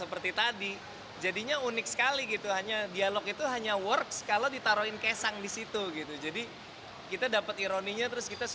film drama komedi ini menjadi spesial